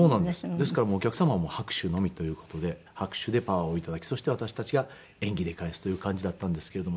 ですからお客様も拍手のみという事で拍手でパワーを頂きそして私たちが演技で返すという感じだったんですけれども。